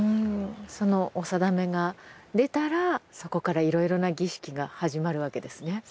うんそのお定めが出たらそこからいろいろな儀式が始まるわけですね。